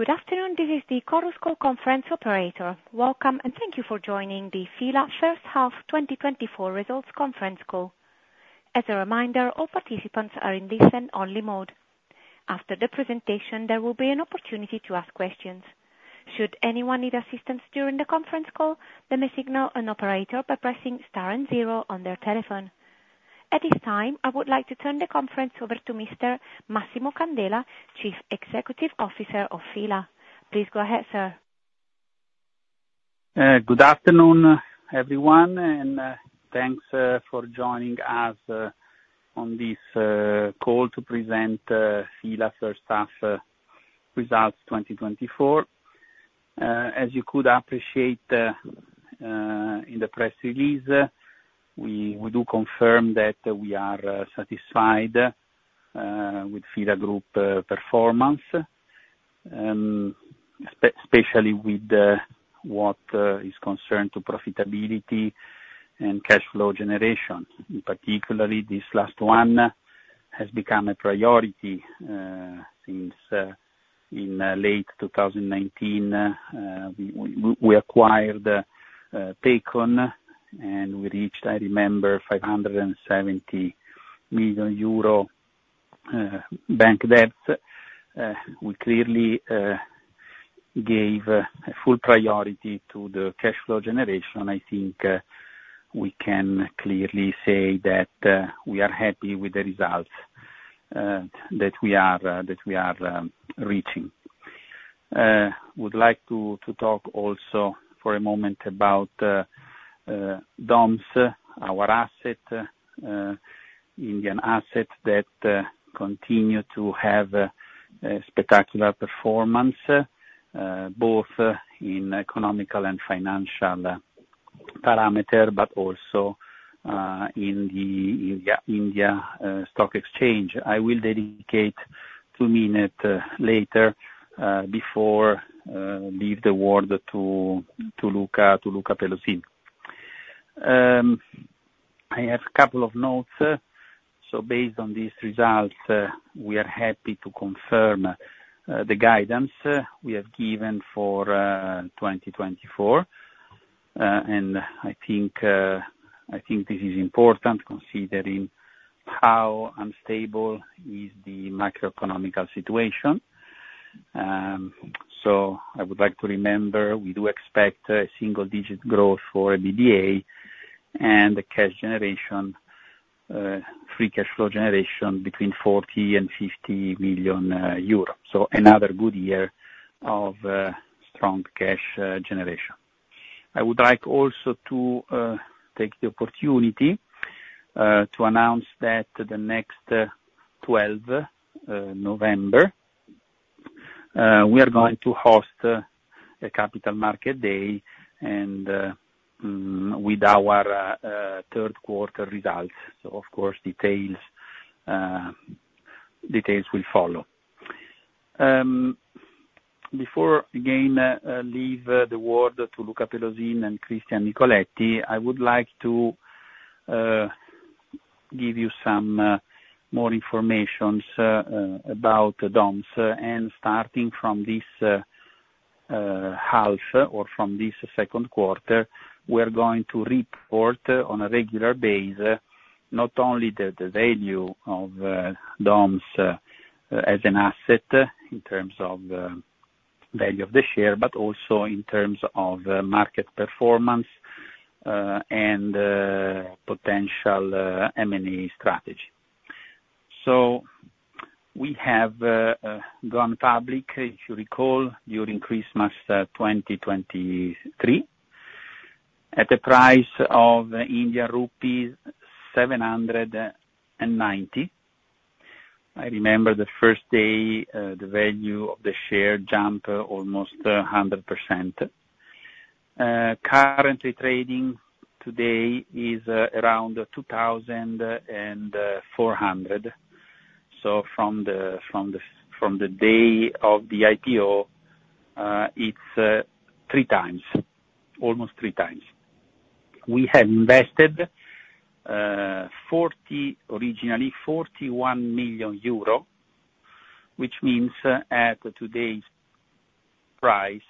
Good afternoon, this is the Chorus Call Conference Operator. Welcome, and thank you for joining the Fila first half 2024 results conference call. As a reminder, all participants are in listen-only mode. After the presentation, there will be an opportunity to ask questions. Should anyone need assistance during the conference call, let me signal an operator by pressing star and zero on their telephone. At this time, I would like to turn the conference over to Mr. Massimo Candela, Chief Executive Officer of Fila. Please go ahead, sir. Good afternoon, everyone, and thanks for joining us on this call to present Fila first half results 2024. As you could appreciate in the press release, we do confirm that we are satisfied with Fila Group performance, especially with what is concerned to profitability and cash flow generation. In particularly, this last one has become a priority since in late 2019 we acquired Pacon, and we reached, I remember, 570 million euro bank debt. We clearly gave a full priority to the cash flow generation. I think we can clearly say that we are happy with the results that we are reaching. Would like to talk also for a moment about DOMS, our asset, Indian asset that continue to have a spectacular performance, both in economic and financial parameter, but also in the Indian stock exchange. I will dedicate two minutes later before leave the word to Luca Pelosin. I have a couple of notes. Based on these results, we are happy to confirm the guidance we have given for 2024. And I think this is important, considering how unstable is the macroeconomic situation. I would like to remember, we do expect a single-digit growth for EBITDA and a cash generation, free cash flow generation between 40 million and 50 million euro. So another good year of strong cash generation. I would like also to take the opportunity to announce that the next 12 November we are going to host a Capital Markets Day, and with our third quarter results. So of course, details details will follow. Before, again, I leave the word to Luca Pelosin and Cristian Nicoletti, I would like to give you some more informations about Doms. And starting from this half or from this second quarter, we're going to report on a regular basis, not only the value of Doms as an asset in terms of value of the share, but also in terms of market performance and potential M&A strategy. So we have gone public, if you recall, during Christmas 2023, at the price of Indian rupees 790. I remember the first day, the value of the share jumped almost 100%. Currently trading today is around 2,400. So from the day of the IPO, it's 3 times, almost 3 times. We have invested originally 41 million euro, which means at today's price,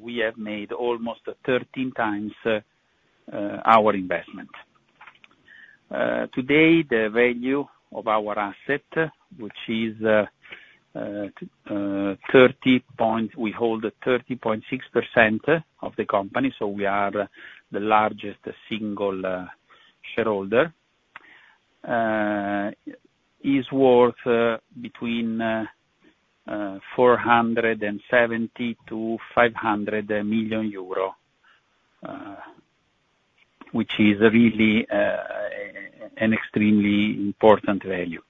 we have made almost 13 times our investment. Today, the value of our asset, which is 30 point... We hold 30.6% of the company, so we are the largest single shareholder is worth between EUR 470 million-EUR 500 million, which is really an extremely important value.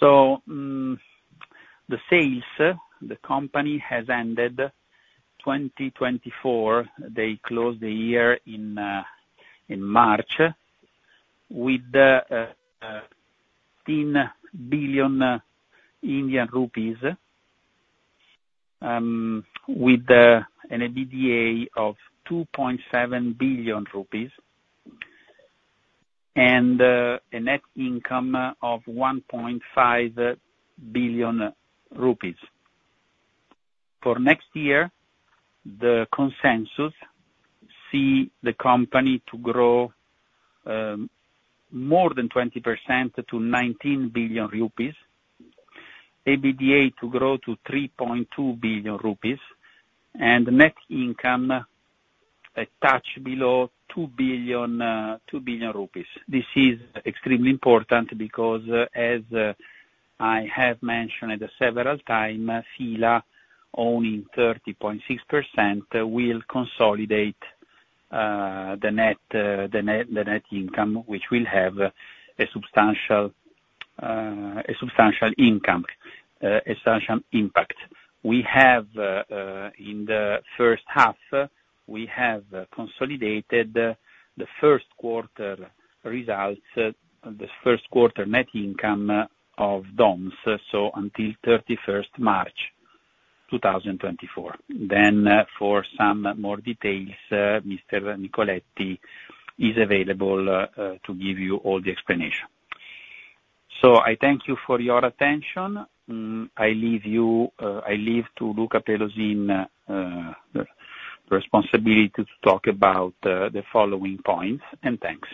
So, the sales, the company has ended 2024. They closed the year in March with 10 billion Indian rupees, with an EBITDA of 2.7 billion rupees and a net income of 1.5 billion rupees. For next year, the consensus see the company to grow more than 20% to 19 billion rupees, EBITDA to grow to 3.2 billion rupees, and net income a touch below two billion, two billion rupees. This is extremely important because, as I have mentioned it several times, Fila, owning 30.6%, will consolidate the net income, which will have a substantial impact. We have, in the first half, we have consolidated the first quarter results, the first quarter net income of DOMS, so until 31 March 2024. Then for some more details, Mr. Nicoletti is available to give you all the explanation. So I thank you for your attention. I leave you to Luca Pelosin, the responsibility to talk about the following points, and thanks.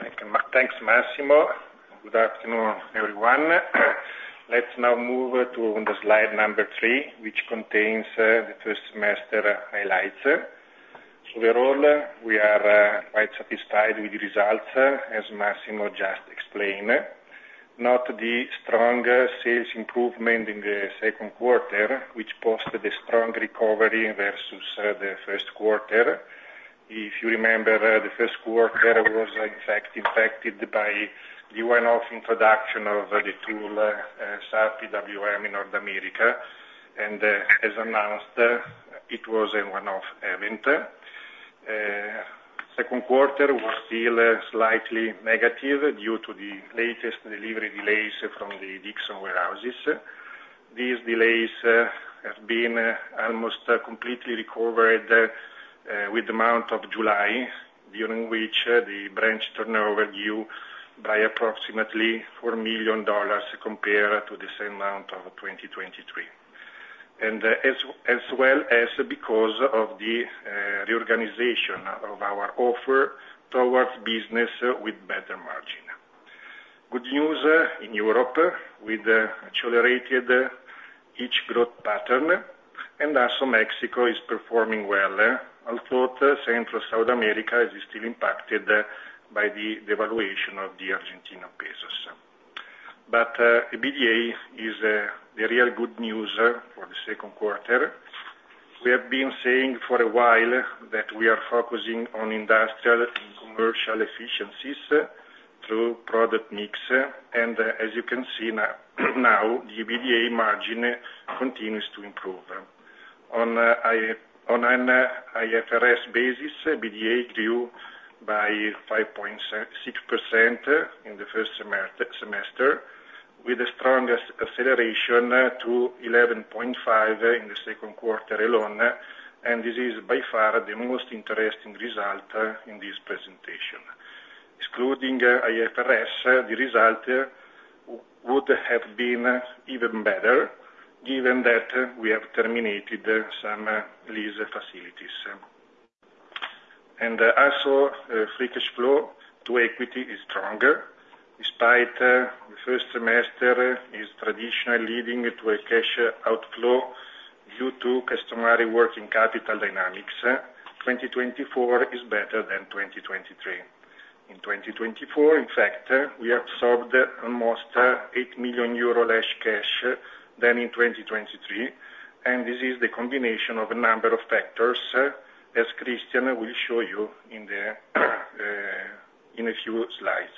Thank you. Thanks, Massimo. Good afternoon, everyone. Let's now move to the slide number 3, which contains the first semester highlights. So overall, we are quite satisfied with the results, as Massimo just explained. Note the strong sales improvement in the second quarter, which posted a strong recovery versus the first quarter. If you remember, the first quarter was in fact impacted by the one-off introduction of the tool, SAP EWM in North America, and, as announced, it was a one-off event. Second quarter was still slightly negative due to the latest delivery delays from the Dixon warehouses. These delays have been almost completely recovered with the month of July, during which the business turnover grew by approximately $4 million compared to the same month of 2023. As well as because of the reorganization of our offer towards business with better margin. Good news in Europe, with accelerated sales growth pattern, and also Mexico is performing well. Although Central and South America is still impacted by the devaluation of the Argentine pesos. EBITDA is the real good news for the second quarter. We have been saying for a while that we are focusing on industrial and commercial efficiencies through product mix, and as you can see now, the EBITDA margin continues to improve. On an IFRS basis, EBITDA grew by 5.6% in the first semester, with a strong acceleration to 11.5% in the second quarter alone, and this is by far the most interesting result in this presentation. Excluding IFRS, the result would have been even better, given that we have terminated some lease facilities. Also, free cash flow to equity is stronger, despite the first semester is traditionally leading to a cash outflow due to customary working capital dynamics. 2024 is better than 2023. In 2024, in fact, we absorbed almost 8 million euro less cash than in 2023, and this is the combination of a number of factors, as Cristian will show you in a few slides.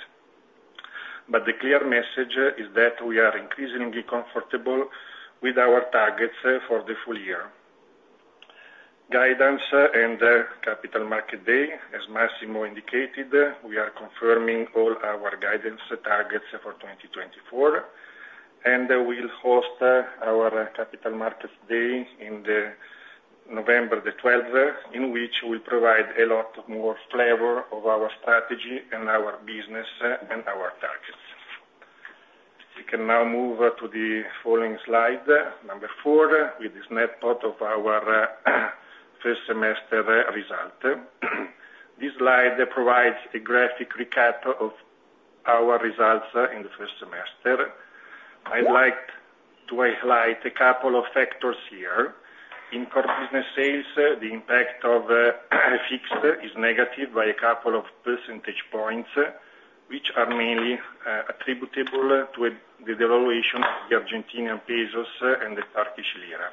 The clear message is that we are increasingly comfortable with our targets for the full year. Guidance and Capital Markets Day, as Massimo indicated, we are confirming all our guidance targets for 2024, and we'll host our Capital Markets Day in November, the 12th, in which we provide a lot more flavor of our strategy and our business, and our targets. We can now move to the following slide, number 4, with the snapshot of our first semester result. This slide provides a graphic recap of our results in the first semester. I'd like to highlight a couple of factors here. In core business sales, the impact of FX is negative by a couple of percentage points, which are mainly attributable to the devaluation of the Argentine pesos and the Turkish lira.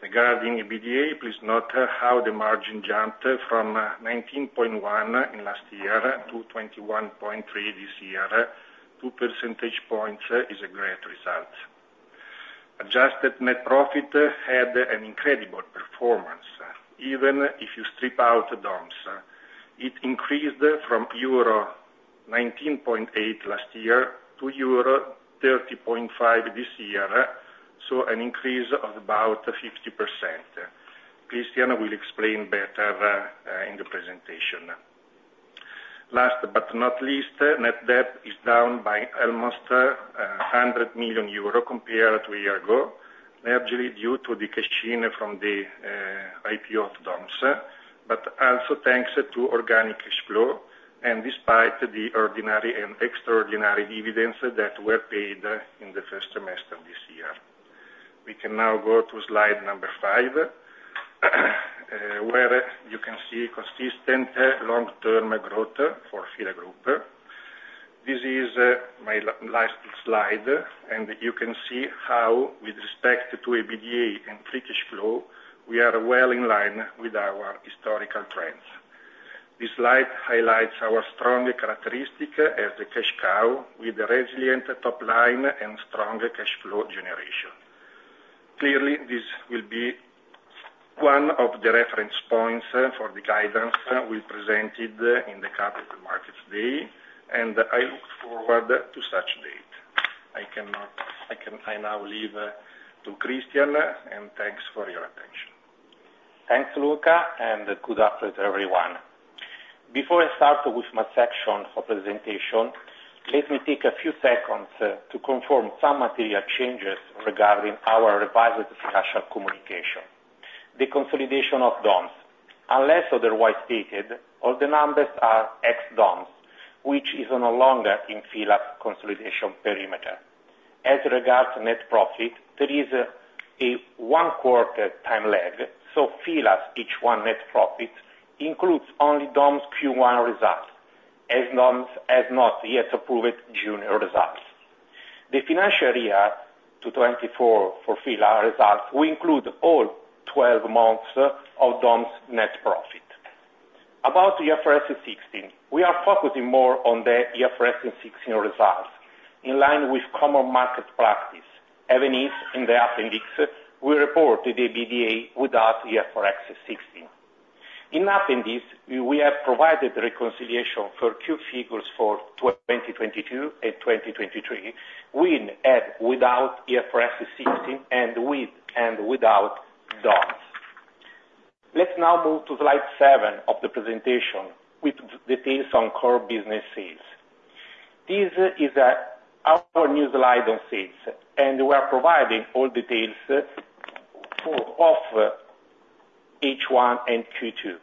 Regarding EBITDA, please note how the margin jumped from 19.1 in last year to 21.3 this year. 2 percentage points is a great result. Adjusted net profit had an incredible performance. Even if you strip out DOMS, it increased from euro 19.8 last year to euro 30.5 this year, so an increase of about 50%. Cristian will explain better in the presentation. Last but not least, net debt is down by almost 100 million euro compared to a year ago, largely due to the cash in from the IPO of DOMS, but also thanks to organic flow, and despite the ordinary and extraordinary dividends that were paid in the first semester this year. We can now go to slide number 5, where you can see consistent long-term growth for F.I.L.A. Group. This is my last slide, and you can see how, with respect to EBITDA and free cash flow, we are well in line with our historical trends. This slide highlights our strong characteristic as a cash cow, with a resilient top line and strong cash flow generation. Clearly, this will be one of the reference points for the guidance we presented in the Capital Markets Day, and I look forward to such date. I can now leave to Cristian, and thanks for your attention. Thanks, Luca, and good afternoon, everyone. Before I start with my section of presentation, let me take a few seconds to confirm some material changes regarding our revised financial communication. The consolidation of DOMS. Unless otherwise stated, all the numbers are ex DOMS, which is no longer in FILA consolidation perimeter. As regards to net profit, there is a one-quarter time lag, so FILA's Q1 net profit includes only DOMS Q1 results, as DOMS has not yet approved Q1 results. The financial year to 2024 for FILA results will include all 12 months of DOMS net profit. About IFRS 16, we are focusing more on the IFRS 16 results, in line with common market practice. Even as in the appendix, we reported the EBITDA without IFRS 16. In appendix, we have provided the reconciliation for Q figures for 2022 and 2023, with and without IFRS 16, and with and without DOMS. Let's now move to slide 7 of the presentation, which details on core business sales. This is our new slide on sales, and we are providing all details for H1 and Q2.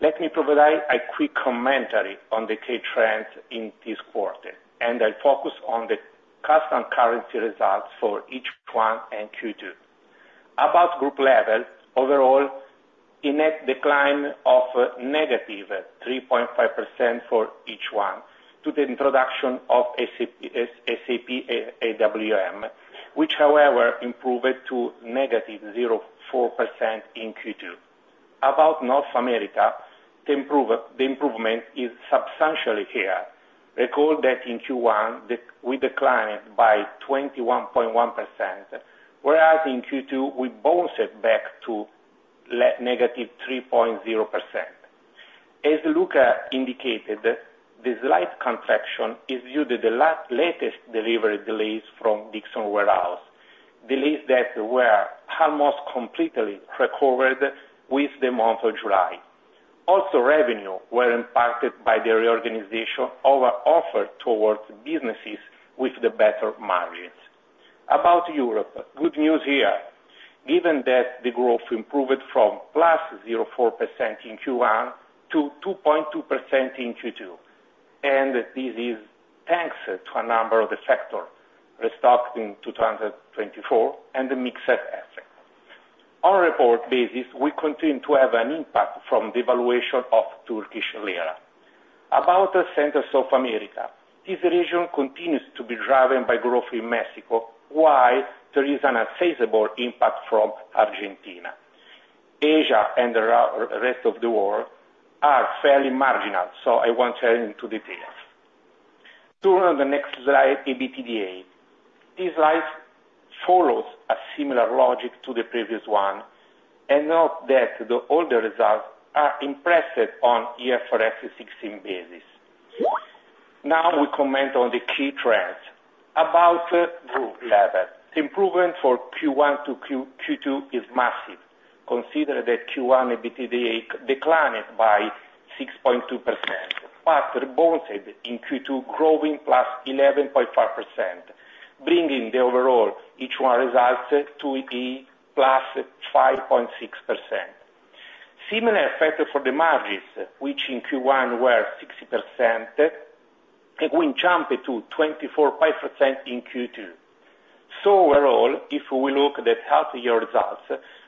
Let me provide a quick commentary on the key trends in this quarter, and I'll focus on the constant currency results for H1 and Q2. About group level, overall, a net decline of -3.5% for H1 to the introduction of SAP EWM, which however, improved to -0.4% in Q2. About North America, the improvement is substantially here. Recall that in Q1, we declined by 21.1%, whereas in Q2, we bounced it back to -3.0%. As Luca indicated, the slight contraction is due to the latest delivery delays from Dixon Warehouse, delays that were almost completely recovered with the month of July. Also, revenue were impacted by the reorganization our offer towards businesses with the better margins. About Europe, good news here. Given that the growth improved from +0.4% in Q1 to 2.2% in Q2, and this is thanks to a number of the factors, restock in 2024, and the mixed effect. On a reported basis, we continue to have an impact from the valuation of Turkish Lira. About Central and South America, this region continues to be driven by growth in Mexico, while there is an unfavorable impact from Argentina. Asia and the rest of the world are fairly marginal, so I won't go into details. Now, on the next slide, EBITDA. This slide follows a similar logic to the previous one, and note that the overall results are expressed on IFRS 16 basis. Now, we comment on the key trends. At group level, the improvement from Q1 to Q2 is massive, considering that Q1 EBITDA declined by 6.2%, but rebounded in Q2, growing +11.5%, bringing the overall H1 results to EBITDA +5.6%. Similar effect for the margins, which in Q1 were 16%, and we jumped to 24.5% in Q2. So overall, if we look at the half-year results,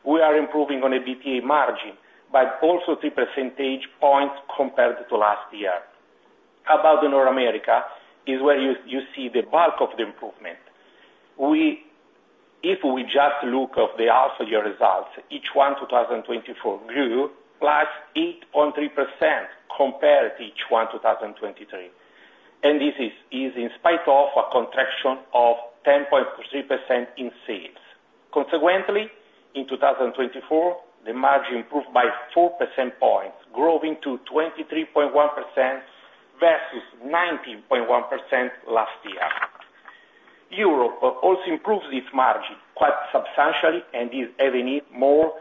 we are improving on EBITDA margin by also 3 percentage points compared to last year. About North America is where you see the bulk of the improvement. If we just look at the half-year results, H1 2024 grew +8.3% compared to H1 2023, which is in spite of a contraction of 10.3% in sales. Consequently, in 2024, the margin improved by 4 percentage points, growing to 23.1% versus 19.1% last year. Europe also improved its margin quite substantially and is even more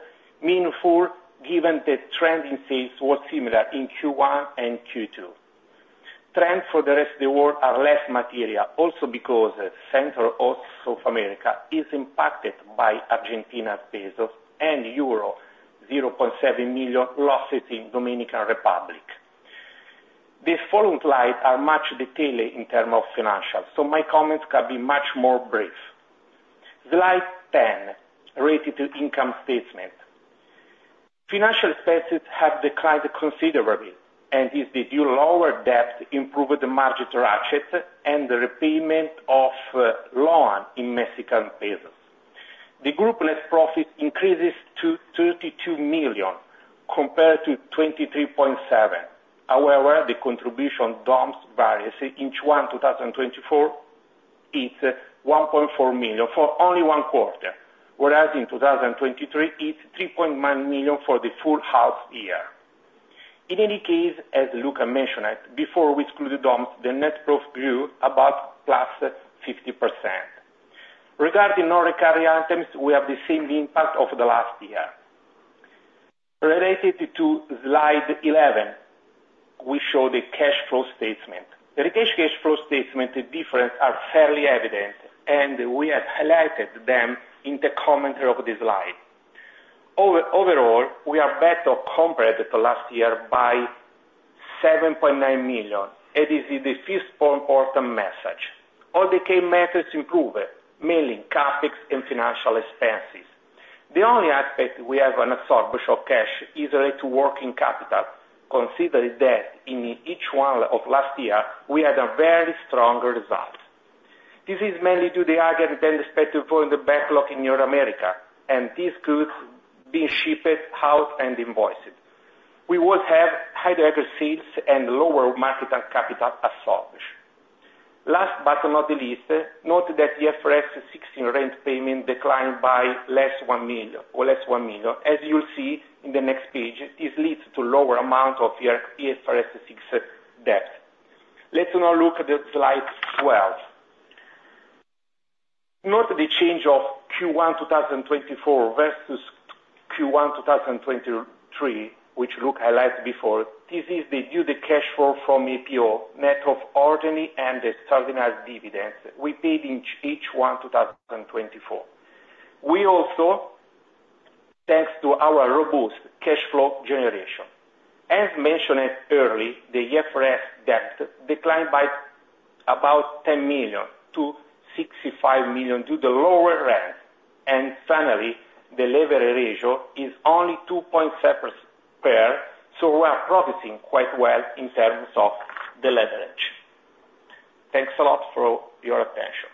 meaningful, given the trend in sales was similar in Q1 and Q2. Trends for the rest of the world are less material, also because Central and South America is impacted by Argentina's pesos and euro, 0.7 million losses in Dominican Republic. The following slides are much detailed in terms of financials, so my comments can be much more brief. Slide 10, related to income statement. Financial expenses have declined considerably, and this is due to lower debt, improved the margin ratchet, and the repayment of loan in Mexican pesos. The group net profit increases to 32 million, compared to 23.7 million. However, the contribution DOMS varies in Q1 2024, it's 1.4 million for only one quarter, whereas in 2023, it's 3.9 million for the full half year. In any case, as Luca mentioned, before we exclude the DOMS, the net profit grew about +50%. Regarding non-recurring items, we have the same impact over the last year. Related to slide 11, we show the cash flow statement. The cash flow statement, the differences are fairly evident, and we have highlighted them in the commentary of the slide. Overall, we are better compared to last year by 7.9 million, and this is the first more important message. All the key metrics improved, mainly CapEx and financial expenses. The only aspect we have an absorption of cash is related to working capital, considering that in each one of last year, we had a very strong result. This is mainly due to the higher than expected growth in the backlog in North America, and these goods being shipped out and invoiced. We would have higher sales and lower working capital absorption. Last but not least, note that the IFRS 16 rent payment declined by less than 1 million, or less than 1 million. As you'll see in the next page, this leads to lower amount of our IFRS 16 debt. Let's now look at slide 12. Note the change of Q1 2024 versus Q1 2023, which Luca highlighted before. This is due to the cash flow from IPO, net of ordinary and extraordinary dividends we paid in Q1 2024. We also, thanks to our robust cash flow generation. As mentioned earlier, the IFRS 16 debt declined by about 10 million to 65 million due to lower rent, and finally, the leverage ratio is only 2.7x, so we are progressing quite well in terms of the leverage. Thanks a lot for your attention.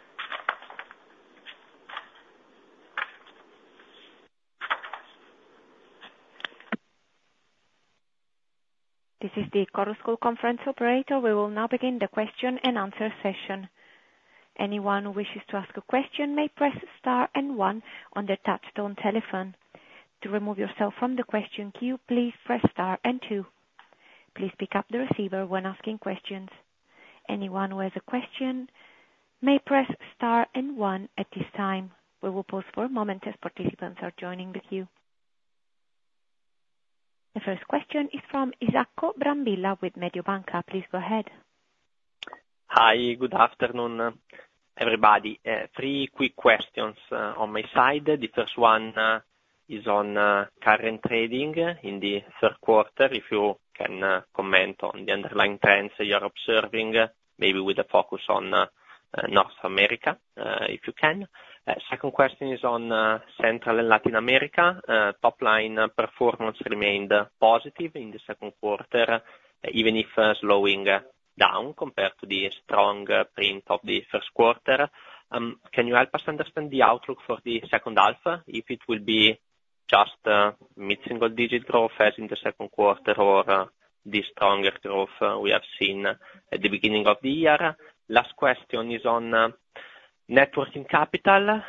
This is the Chorus Call conference operator. We will now begin the question and answer session. Anyone who wishes to ask a question may press star and one on their touchtone telephone. To remove yourself from the question queue, please press star and two. Please pick up the receiver when asking questions. Anyone who has a question may press star and one at this time. We will pause for a moment as participants are joining the queue. The first question is from Isacco Brambilla with Mediobanca. Please go ahead. Hi, good afternoon, everybody. Three quick questions on my side. The first one is on current trading in the third quarter, if you can comment on the underlying trends that you are observing, maybe with a focus on North America, if you can. Second question is on Central and South America. Top line performance remained positive in the second quarter, even if slowing down compared to the strong print of the first quarter. Can you help us understand the outlook for the second half, if it will be just mid-single digit growth as in the second quarter, or the stronger growth we have seen at the beginning of the year? Last question is on net working capital.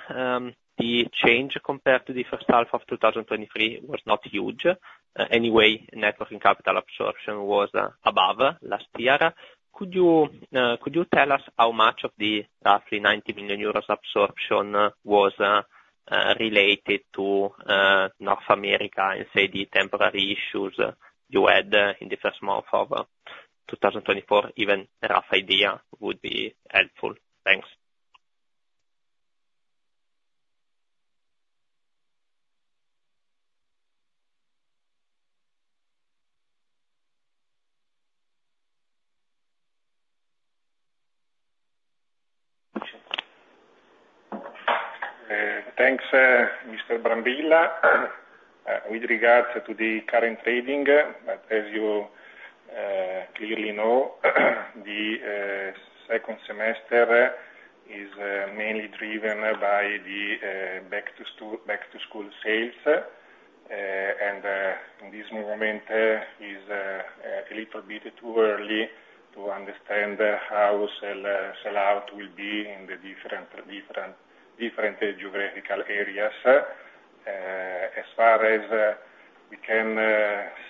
The change compared to the first half of 2023 was not huge. Anyway, net working capital absorption was above last year. Could you tell us how much of the roughly 90 million euros absorption was related to North America, and say, the temporary issues you had in the first month of 2024? Even a rough idea would be helpful. Thanks. Thanks, Mr. Brambilla. With regards to the current trading, but as you clearly know, the second semester- ...is mainly driven by the Back to School, Back to School sales. In this moment is a little bit too early to understand how sell-out will be in the different geographical areas. As far as we can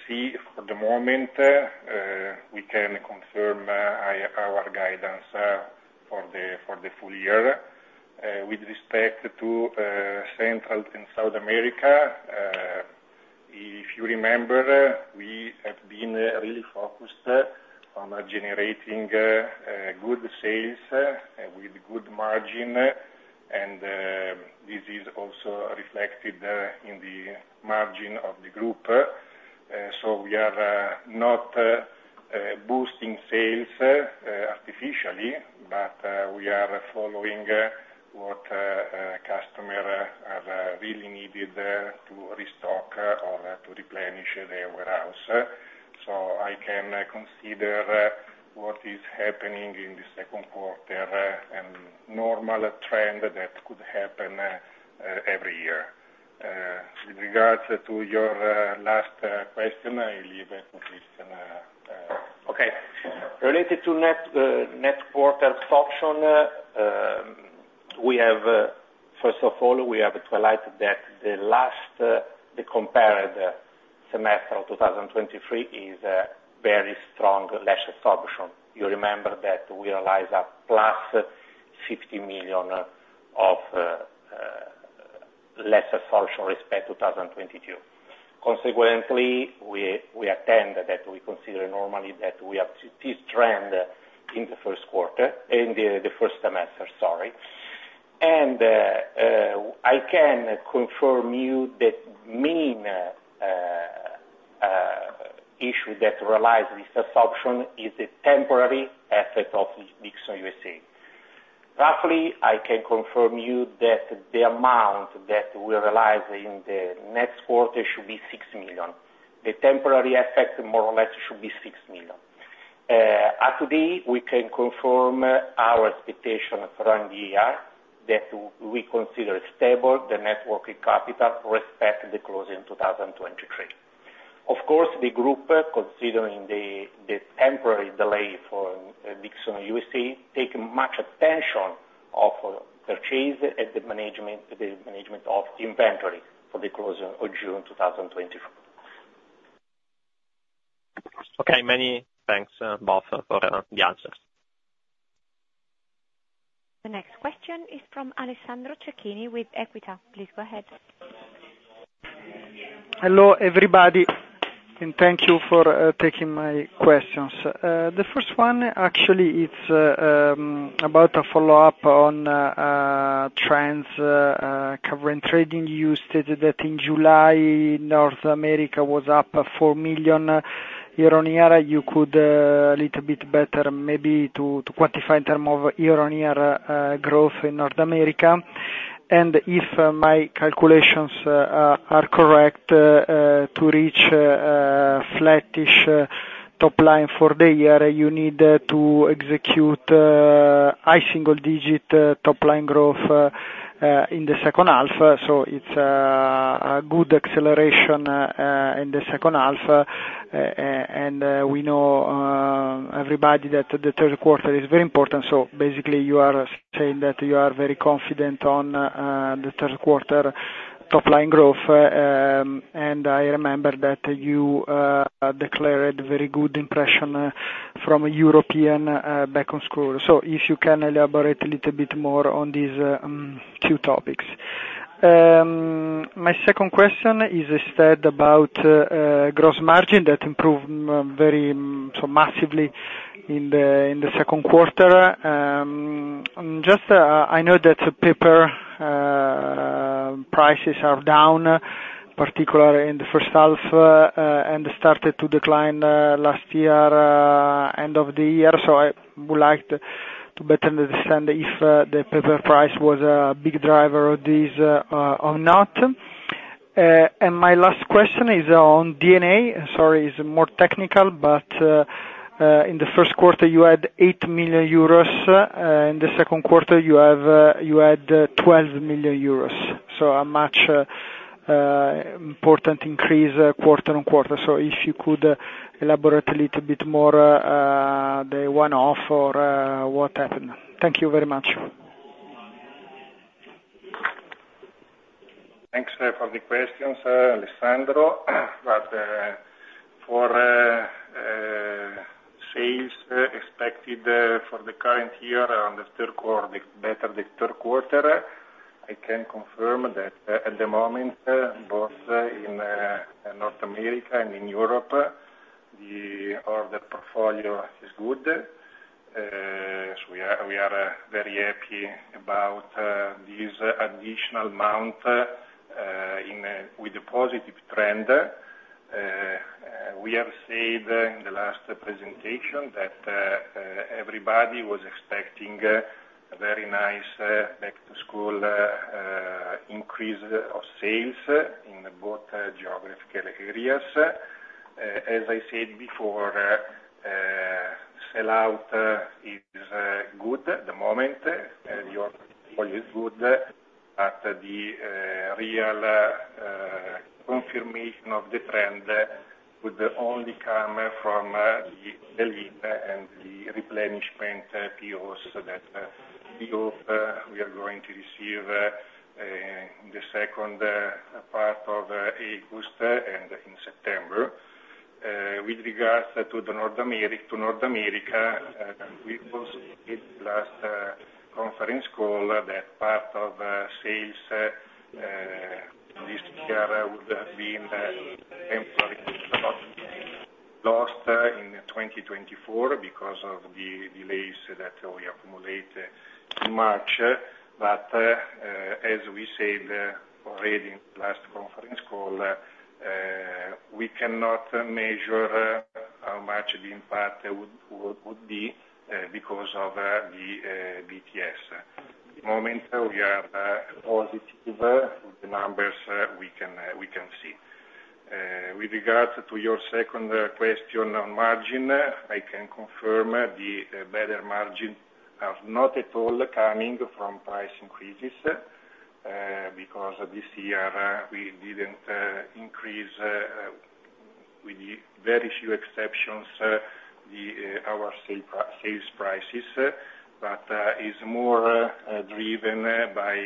see for the moment, we can confirm our guidance for the full year. With respect to Central and South America, if you remember, we have been really focused on generating good sales with good margin, and this is also reflected in the margin of the group. So we are not boosting sales artificially, but we are following what customers have really needed to restock or to replenish their warehouse. So I can consider what is happening in the second quarter a normal trend that could happen every year. With regards to your last question, I leave it to Cristian. Okay. Related to next quarter absorption, first of all, we have to highlight that the comparable semester of 2023 is a very strong lease absorption. You remember that we realized a +50 million of lease absorption versus 2022. Consequently, we expect that we consider normally that we have this trend in the first quarter, in the first semester, sorry. I can confirm to you that main issue that underlies this assumption is a temporary effect of Dixon USA. Roughly, I can confirm to you that the amount that we realize in the next quarter should be 6 million. The temporary effect, more or less, should be 6 million. As of today, we can confirm our expectation for end of the year, that we consider stable the net working capital respect the closing 2023. Of course, the group, considering the temporary delay for Dixon USA, take much attention of purchase and the management of the inventory for the closing of June 2024. Okay, many thanks, both for the answers. The next question is from Alessandro Cecchini with Equita. Please go ahead. Hello, everybody, and thank you for taking my questions. The first one actually it's about a follow-up on trends covering trading. You stated that in July, North America was up 4 million euro year-on-year. You could a little bit better maybe to quantify in term of year-on-year growth in North America. And if my calculations are correct to reach flattish top line for the year, you need to execute high single digit top line growth in the second half. So it's a good acceleration in the second half, and we know everybody that the third quarter is very important. So basically, you are saying that you are very confident on the third quarter top line growth, and I remember that you declared very good impression from European Back to School. So if you can elaborate a little bit more on these two topics. My second question is instead about gross margin that improved very so massively in the second quarter. Just I know that paper prices are down, particularly in the first half, and started to decline last year end of the year. So I would like to better understand if the paper price was a big driver of this or not. And my last question is on DOMS. Sorry, it's more technical, but in the first quarter, you had 8 million euros, in the second quarter, you have, you had 12 million euros. So a much important increase quarter-on-quarter. So if you could elaborate a little bit more, the one-off or what happened? Thank you very much. Thanks for the questions, Alessandro. But for sales expected for the current year on the third quarter, better the third quarter, I can confirm that at the moment both in North America and in Europe the order portfolio is good. So we are very happy about this additional amount in with the positive trend. We have said in the last presentation that everybody was expecting a very nice Back to School increase of sales in both geographical areas. As I said before, sell-out is good at the moment, and your point is good, but the real confirmation of the trend would only come from the lead and the replenishment POs that we hope we are going to receive in the second part of August and in September. With regards to North America, we in last conference call [said] that part of sales this year would have been temporarily lost in 2024 because of the delays that we accumulated in March. But as we said already in last conference call, we cannot measure how much the impact would be because of the BTS. At the moment, we are positive the numbers we can see. With regards to your second question on margin, I can confirm the better margin are not at all coming from price increases, because this year we didn't increase, with the very few exceptions, our sales prices, but is more driven by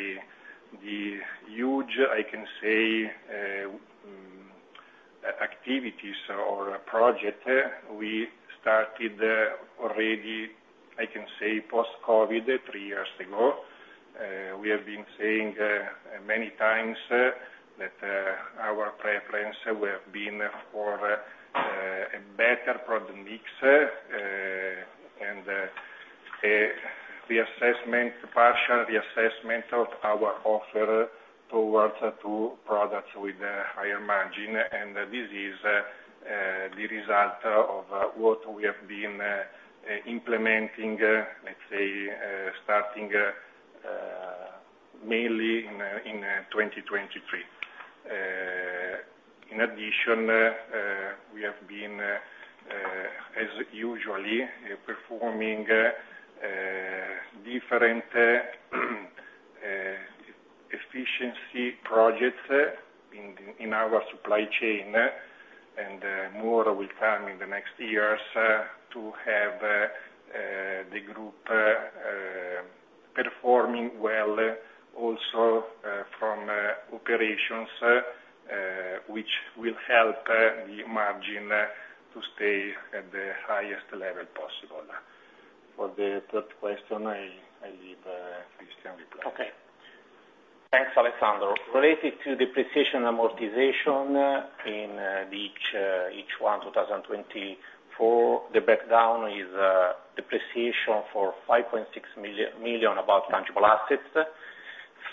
the huge, I can say, activities or project we started already, I can say, post-COVID, three years ago. We have been saying many times that our preference will have been for a better product mix and a reassessment, partial reassessment of our offer towards to products with a higher margin, and this is the result of what we have been implementing, let's say, starting mainly in 2023. In addition, we have been, as usual, performing different efficiency projects in our supply chain, and more will come in the next years to have the group performing well, also from operations, which will help the margin to stay at the highest level possible. For the third question, I leave Cristian reply. Okay. Thanks, Alessandro. Related to the depreciation and amortization in H1 2024, the breakdown is depreciation for 5.6 million of tangible assets,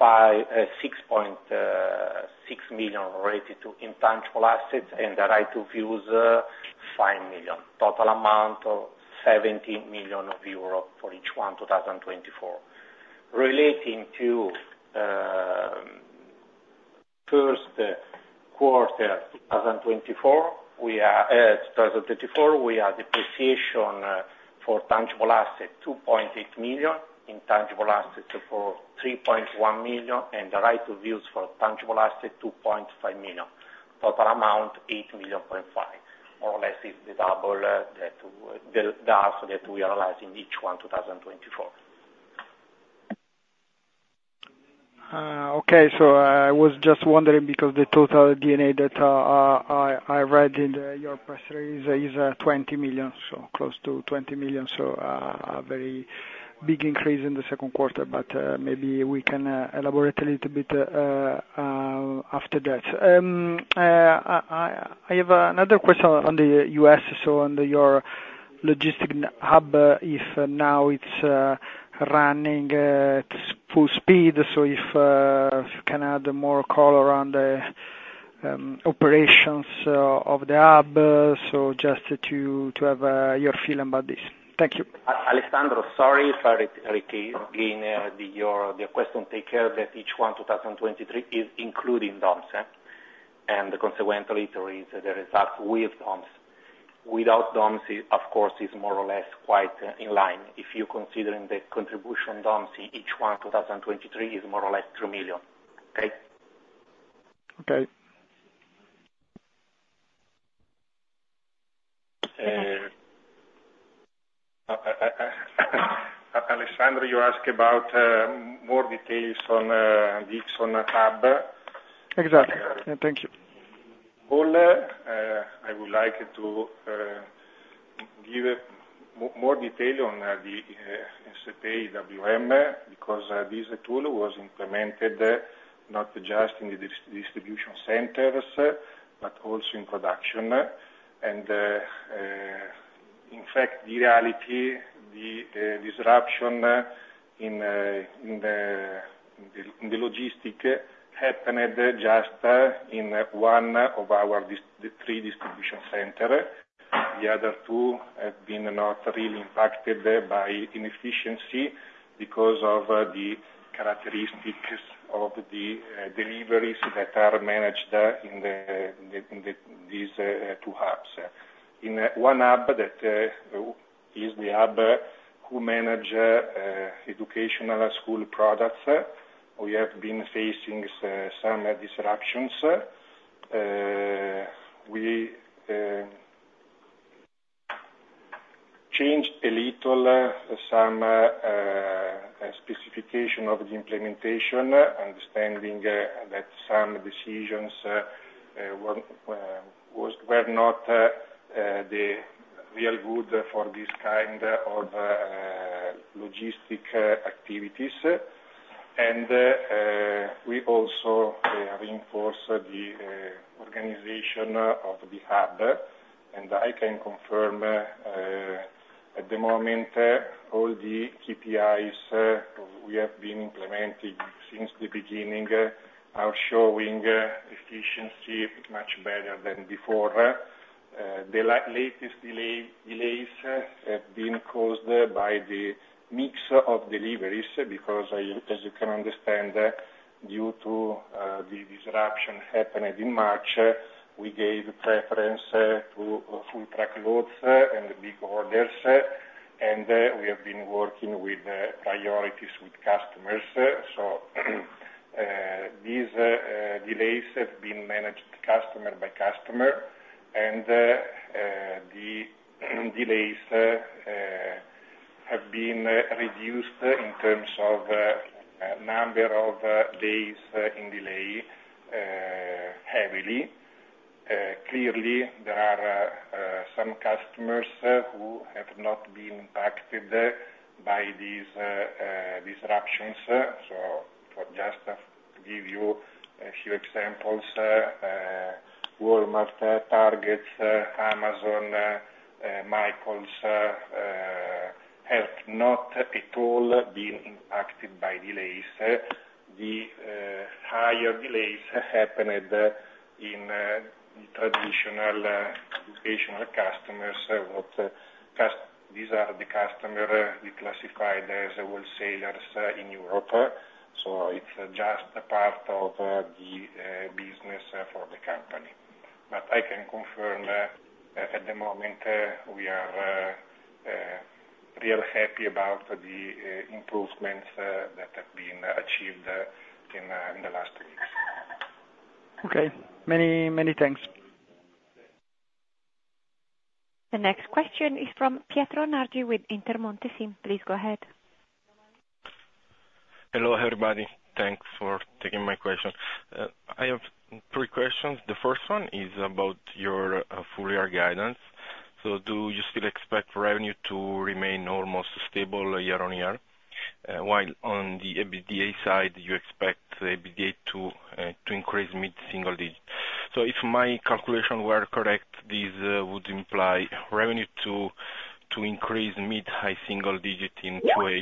6.6 million related to intangible assets, and the right of use 5 million. Total amount of 17 million euro for H1 2024. Relating to first quarter 2024, depreciation for tangible assets 2.8 million, intangible assets for 3.1 million, and the right of use for tangible assets 2.5 million. Total amount 8.5 million, more or less is double that, the last that we analyzed in H1 2024. Okay, so I was just wondering because the total D&A that I read in your press release is 20 million, so close to 20 million, so a very big increase in the second quarter, but maybe we can elaborate a little bit after that. I have another question on the U.S., so on your logistics hub, if now it's running at full speed. So if can add more color on the operations of the hub, so just to have your feeling about this. Thank you. Alessandro, sorry for repeat again, your question. Take care that H1 2023 is including DOMS, and consequently to raise the result with DOMS. Without DOMS, it of course is more or less quite in line. If you're considering the contribution DOMS, H1 2023 is more or less 3 million. Okay? Okay. Alessandro, you ask about on the hub? Exactly. Yeah, thank you. Well, I would like to give more detail on the SAP EWM, because this tool was implemented not just in the distribution centers, but also in production. And in fact, the reality, the disruption in the logistics happened just in one of our three distribution centers. The other two have been not really impacted by inefficiency because of the characteristics of the deliveries that are managed in these two hubs. In one hub, that is the hub who manage educational school products, we have been facing some disruptions. We changed a little some specification of the implementation, understanding that some decisions were not the real good for this kind of logistics activities. And we also reinforce the organization of the hub, and I can confirm at the moment all the KPIs we have been implementing since the beginning are showing efficiency much better than before. The latest delays have been caused by the mix of deliveries, because, as you can understand, due to the disruption happened in March, we gave preference to full truck loads and big orders, and we have been working with priorities with customers. So, these delays have been managed customer by customer, and the delays have been reduced in terms of number of days in delay heavily. Clearly, there are some customers who have not been impacted by these disruptions. So for just to give you a few examples, Walmart, Target, Amazon, Michaels have not at all been impacted by delays. The higher delays happened in traditional educational customers, these are the customers we classified as wholesalers in Europe. So it's just a part of the business for the company. I can confirm, at the moment, we are real happy about the improvements that have been achieved in the last weeks. Okay. Many, many thanks. The next question is from Pietro Nardi with Intermonte SIM. Please go ahead. Hello, everybody. Thanks for taking my question. I have three questions. The first one is about your full year guidance. So do you still expect revenue to remain almost stable year-on-year, while on the EBITDA side, you expect the EBITDA to increase mid-single digit? So if my calculation were correct, this would imply revenue to increase mid-high single digit in H2,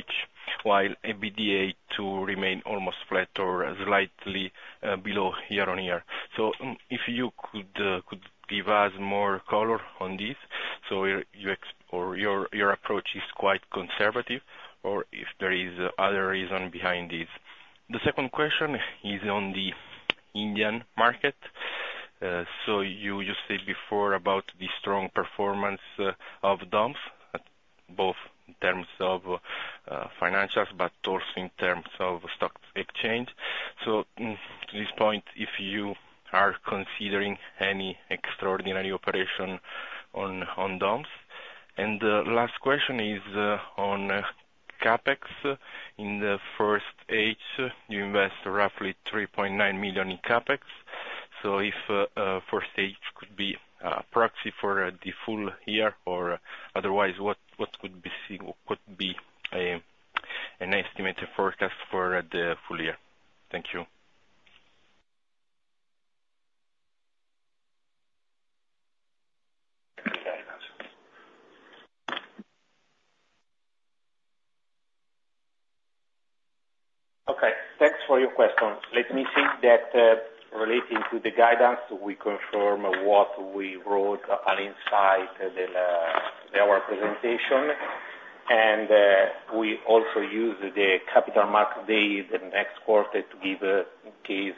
while EBITDA to remain almost flat or slightly below year-on-year. So if you could give us more color on this, so your approach is quite conservative, or if there is other reason behind this. The second question is on the Indian market. So you said before about the strong performance of DOMS, at both in terms of financials, but also in terms of stock exchange. So, to this point, if you are considering any extraordinary operation on DOMS? And, last question is on CapEx. In the first H, you invest roughly 3.9 million in CapEx, so if first H could be proxy for the full year, or otherwise, what could be an estimated forecast for the full year? Thank you. Okay, thanks for your question. Let me say that, relating to the guidance, we confirm what we wrote in our presentation. We also use the Capital Markets Day the next quarter to give some key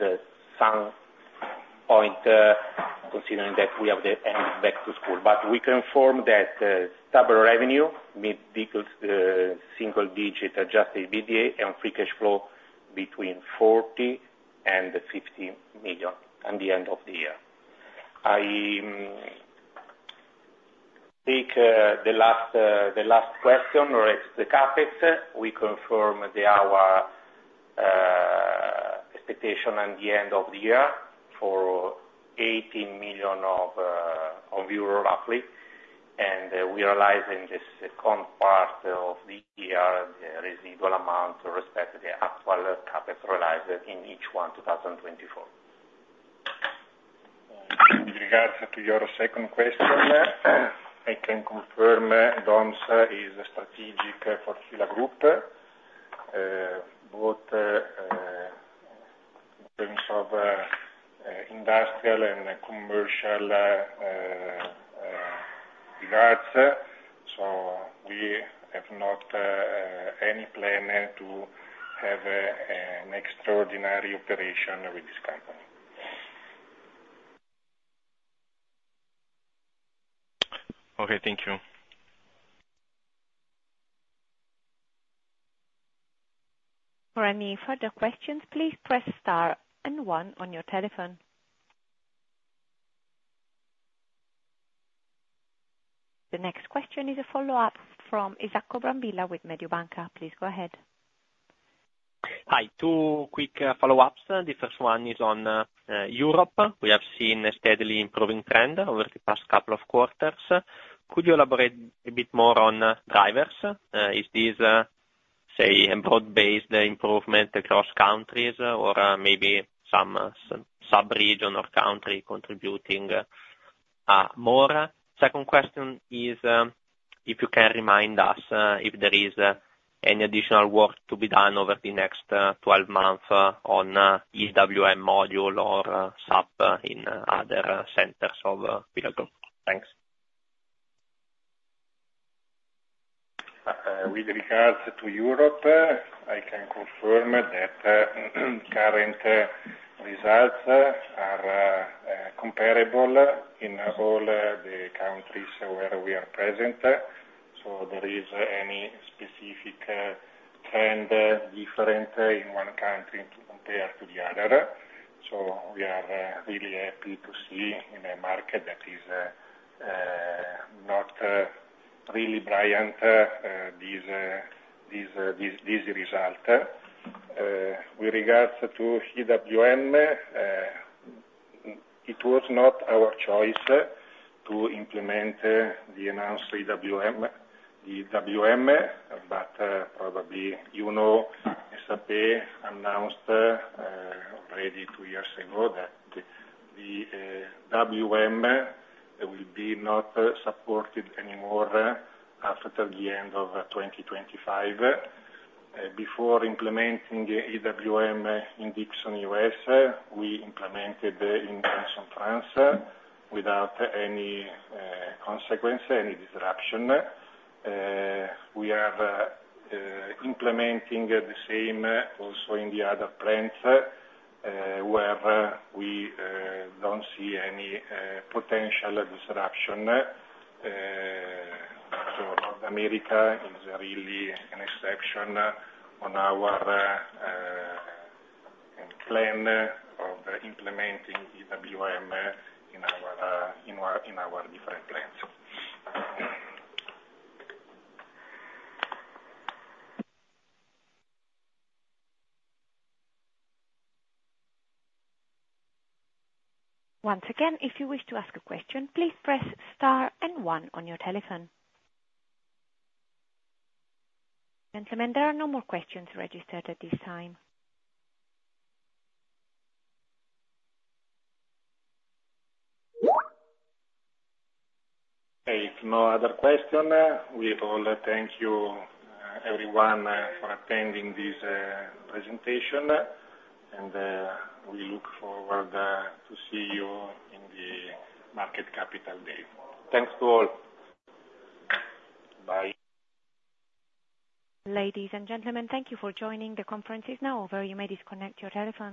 points, considering that we have the end of Back to School. But we confirm that stable revenue mid-digits, single digit adjusted EBITDA and free cash flow between 40 million and 50 million at the end of the year. I take the last question regarding CapEx. We confirm that our expectation at the end of the year for 18 million euro roughly, and we are live in the second part of the year, the residual amount with respect to the actual capital realized in 2024. In regards to your second question, I can confirm DOMS is strategic for F.I.L.A. Group, both regards, so we have not any plan to have an extraordinary operation with this company. Okay, thank you. For any further questions, please press star and one on your telephone. The next question is a follow-up from Isacco Brambilla with Mediobanca. Please go ahead. Hi, 2 quick follow-ups. The first one is on Europe. We have seen a steadily improving trend over the past couple of quarters. Could you elaborate a bit more on drivers? Is this, say, a broad-based improvement across countries, or maybe some sub-region or country contributing more? Second question is, if you can remind us, if there is any additional work to be done over the next 12 months, on EWM module or SAP, in other centers of Pilato? Thanks. With regards to Europe, I can confirm that current results are comparable in all the countries where we are present, so there is any specific trend different in one country compared to the other. So we are really happy to see in a market that is not really brilliant, this result. With regards to EWM, it was not our choice to implement the announced EWM, but probably, you know, SAP announced already two years ago that the WM will be not supported anymore after the end of 2025. Before implementing the EWM in Dixon, U.S., we implemented it in France without any consequence, any disruption. We are implementing the same also in the other plants where we don't see any potential disruption. So North America is really an exception on our plan of implementing EWM in our different plants. Once again, if you wish to ask a question, please press star and one on your telephone. Gentlemen, there are no more questions registered at this time. Okay, if no other question, we all thank you, everyone, for attending this presentation, and we look forward to see you in the Capital Markets Day. Thanks to all. Bye. Ladies and gentlemen, thank you for joining. The conference is now over. You may disconnect your telephones.